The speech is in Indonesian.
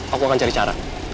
aku akan cari cara